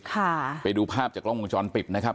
ค่ะไปดูภาพจากกล้องวงจรปิดนะครับ